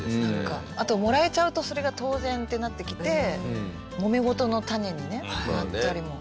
あともらえちゃうとそれが当然ってなってきてもめ事の種にねなったりも。